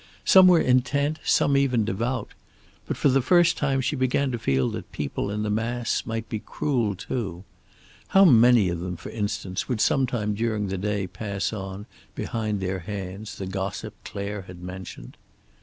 Some were intent, some even devout. But for the first time she began to feel that people in the mass might be cruel, too. How many of them, for instance, would sometime during the day pass on, behind their hands, the gossip Clare had mentioned?